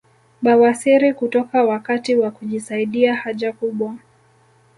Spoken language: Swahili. Bawasiri kutoka wakati wa kujisaidia haja kubwa